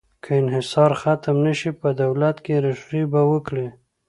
که انحصار ختم نه شي، په دولت کې ریښې به وکړي.